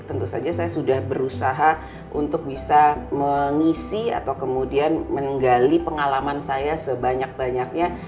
tentu saja saya sudah berusaha untuk bisa mengisi atau kemudian menggali pengalaman saya sebanyak banyaknya